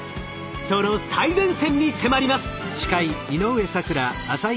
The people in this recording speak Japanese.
その最前線に迫ります。